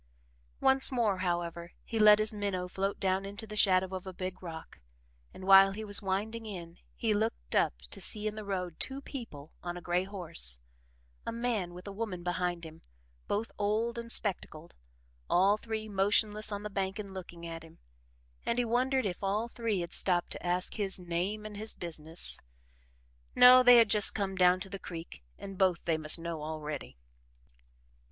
Once more, however, he let his minnow float down into the shadow of a big rock, and while he was winding in, he looked up to see in the road two people on a gray horse, a man with a woman behind him both old and spectacled all three motionless on the bank and looking at him: and he wondered if all three had stopped to ask his name and his business. No, they had just come down to the creek and both they must know already.